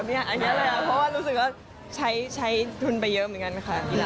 เพราะว่ารู้สึกว่าใช้ทุนไปเยอะเหมือนกันค่ะ